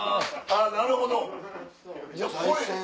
あっなるほど。